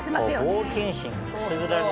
冒険心がくすぐられるのよね。